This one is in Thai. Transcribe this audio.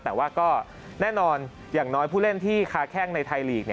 แต่ว่าก็แน่นอนอย่างน้อยผู้เล่นที่ค้าแข้งในไทยลีก